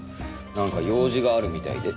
なんか用事があるみたいで。